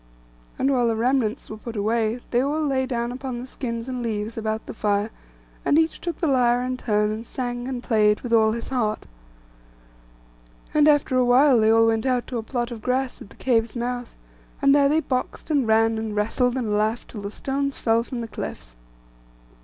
And when the remnants were put away, they all lay down upon the skins and leaves about the fire, and each took the lyre in turn, and sang and played with all his heart. And after a while they all went out to a plot of grass at the cave's mouth, and there they boxed, and ran, and wrestled, and laughed till the stones fell from the cliffs.